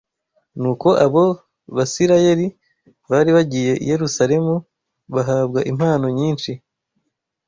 Nuko abo Bisirayeli bari bagiye i Yerusalemu bahabwa impano nyinshi